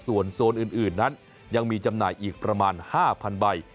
ส่วนโซนอื่นนั้นยังมีจำหน่ายอีกประมาณ๕๐๐ใบ